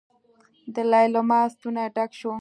د ليلما ستونی ډک شو.